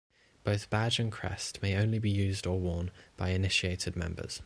Both badge and crest may only be used or worn by initiated members.